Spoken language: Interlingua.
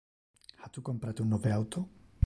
Ha tu comprate un nove auto?